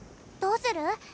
どうする？